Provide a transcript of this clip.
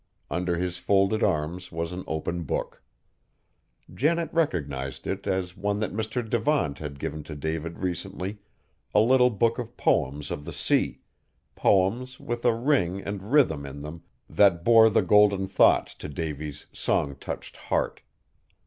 Under his folded arms was an open book. Janet recognized it as one that Mr. Devant had given to David recently, a little book of poems of the sea, poems with a ring and rhythm in them that bore the golden thoughts to Davy's song touched heart.